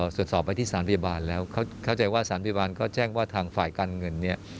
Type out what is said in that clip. ตรวจสอบไปที่สารพยาบาลแล้วเข้าใจว่าสารพยาบาลก็แจ้งว่าทางฝ่ายการเงินเนี่ย